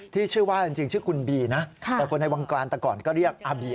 ที่ชื่อว่าจริงคุณบีนะคนในวังการตะก่อนก็เรียกอบีอบี